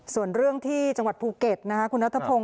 ส่วนเรื่องที่จังหวัดภูเก็ตคุณนัทพงศ